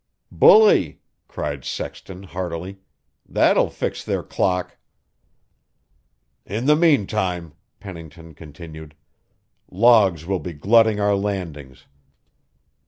"Bully!" cried Sexton heartily. "That will fix their clock." "In the meantime," Pennington continued, "logs will be glutting our landings.